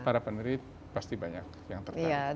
para penerit pasti banyak yang tertarik